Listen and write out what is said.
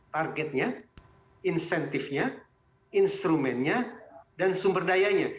targetnya insentifnya instrumennya dan sumber dayanya